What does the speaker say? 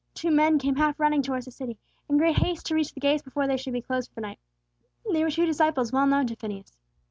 Two men came half running towards the city, in great haste to reach the gates before they should be closed for the night. They were two disciples well known to Phineas.